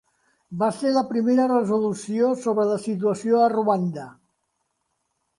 Va ser la primera resolució sobre la situació a Ruanda.